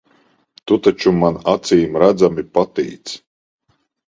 Tu taču man acīmredzami patīc.